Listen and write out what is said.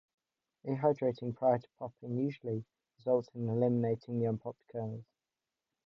Rehydrating prior to popping usually results in eliminating the unpopped kernels.